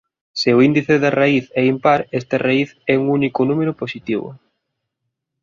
Se o índice da raíz é impar esta raíz é un único número positivo.